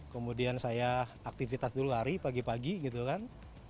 kemudian saya aktivitas dulu lari pagi pagi gitu kan